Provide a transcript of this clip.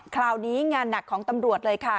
คราวนี้งานหนักของตำรวจเลยค่ะ